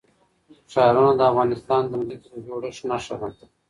ښارونه د افغانستان د ځمکې د جوړښت نښه ده.